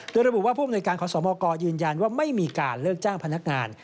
โดยระบุว่าผู้อำนวยการขอสมกยืนยันว่าไม่มีการเลิกจ้างพนักงาน